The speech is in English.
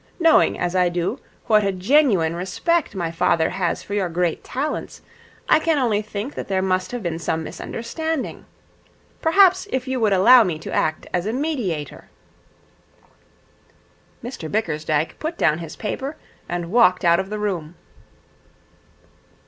Knowing, as I do, what a genuine respect my father has for your great talents, I can only think that there must have been some misunderstanding. Perhaps if you would allow me to act as a mediator ' Mr Bickersdyke put down his paper and walked out of the room.